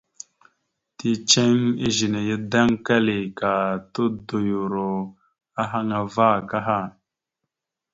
Ticeŋ izəne ya daŋkali ka tondoyoro ahaŋ ava aka.